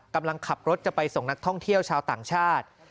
กำลังขับรถจะไปส่งนักท่องเที่ยวชาวต่างชาติ